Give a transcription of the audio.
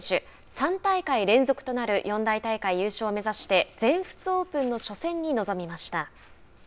３大会連続となる四大大会優勝を目指して全仏オープンの初戦に臨みました。